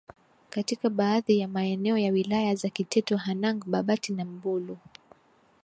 katika baadhi ya maeneo ya Wilaya za Kiteto Hanang Babati na Mbulu